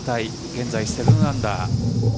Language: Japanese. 現在７アンダー。